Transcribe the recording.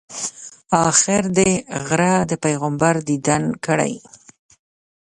آخر دې غره د پیغمبر دیدن کړی.